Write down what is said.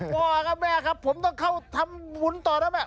พ่อครับแม่ครับผมต้องเข้าทำบุญต่อแล้วแม่